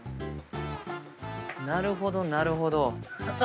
なるほどなるほど。